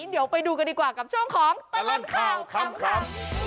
เดี๋ยวไปดูกันดีกว่ากับช่วงของตลอดข่าวขำ